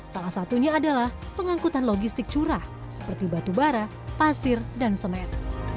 salah satunya adalah pengangkutan logistik curah seperti batu bara pasir dan semen